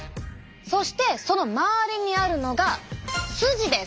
そしてその周りにあるのがスジです。